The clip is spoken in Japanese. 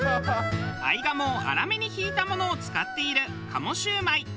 合鴨を粗めにひいたものを使っている鴨焼売。